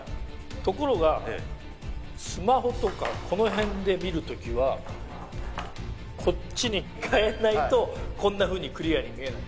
ところがスマホとかこの辺で見る時はこっちにかえないとこんなふうにクリアに見えない。